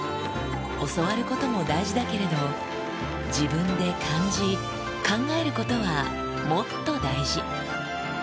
教わることも大事だけれど、自分で感じ、考えることはもっと大事。